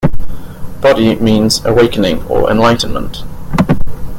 "Bodhi" means "awakening" or "enlightenment".